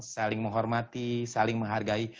saling menghormati saling menghargai